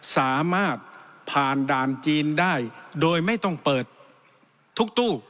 สามารถผ่านด่านจีนได้โดยไม่ต้องเปิดทุกตู้